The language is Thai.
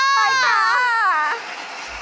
ต่อจากห้วนทุนยังเห็นยังไม่มีลข่าว